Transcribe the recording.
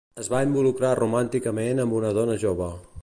Es va involucrar romànticament amb una dona jove.